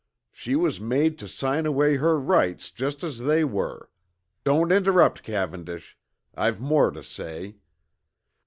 She was made to sign away her rights just as they were. Don't interrupt, Cavendish I've more to say.